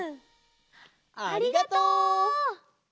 ありがとう！